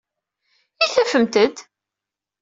I tadfemt-d?